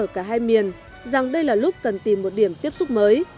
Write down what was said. ở cả hai miền rằng đây là lúc cần tìm một điểm tiếp xúc mới